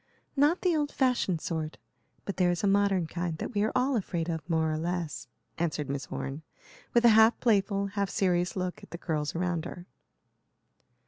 "Not the old fashioned sort, but there is a modern kind that we are all afraid of more or less," answered Miss Orne, with a half playful, half serious look at the girls around her.